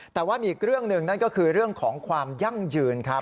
แต่ว่ามีอีกเรื่องหนึ่งนั่นก็คือเรื่องของความยั่งยืนครับ